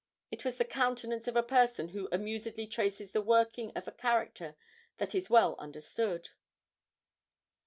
It was the countenance of a person who amusedly traces the working of a character that is well understood.